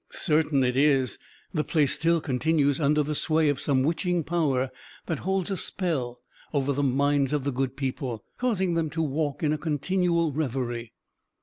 Certain it is, the place still continues under the sway of some witching power that holds a spell over the minds of the good people, causing them to walk in a continual reverie.